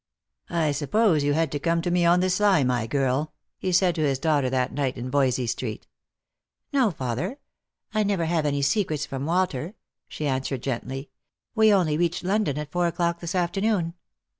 " I suppose you had to come to me on the sly, my girl," he said to his daughter that night in Voysey street. " No, father, I never have any secrets from Walter," she an swered gently. " We only reached London at four o'clock this afternoon.